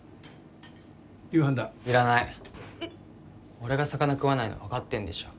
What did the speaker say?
俺が魚食わないの分かってんでしょ。